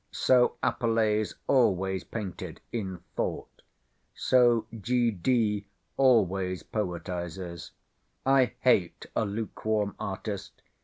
So Apelles always painted—in thought. So G.D. always poetises. I hate a lukewarm artist.